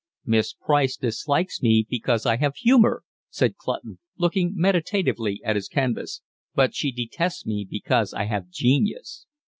"Miss Price dislikes me because I have humour," said Clutton, looking meditatively at his canvas, "but she detests me because I have genius."